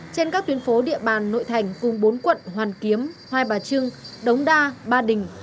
trên các tuyến phố địa bàn nội thành cùng bốn quận hoàn kiếm hai bà trưng đống đa ba đình